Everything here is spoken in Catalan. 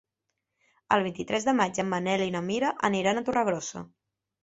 El vint-i-tres de maig en Manel i na Mira aniran a Torregrossa.